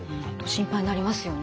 心配になりますよね。